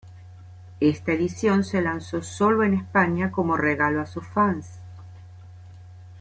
Esta edición se lanzó sólo en España como regalo a sus fanes.